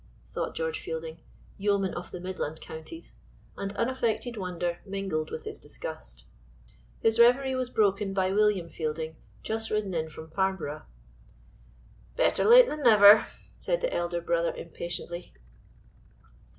thought George Fielding, yeoman of the midland counties and unaffected wonder mingled with his disgust. His reverie was broken by William Fielding just ridden in from Farnborough. "Better late than never," said the elder brother, impatiently.